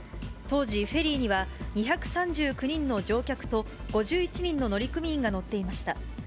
当時、フェリーには２３９人の乗客と、５１人の乗組員が乗っていました。